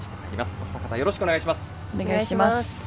お二方、よろしくお願いします。